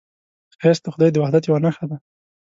ښایست د خدای د وحدت یوه نښه ده